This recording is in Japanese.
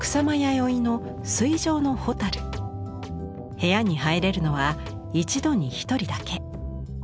部屋に入れるのは一度に一人だけ。